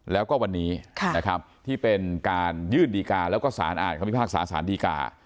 แล้วก็วันนี้นะครับที่เป็นการยื่นดีการแล้วก็สารอ่านคำพิพากษาสารดีกา